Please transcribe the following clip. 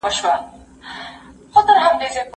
دا خبره ثابته ده چې د غرونو واوره د سیندونو اصلي سرچینه ده.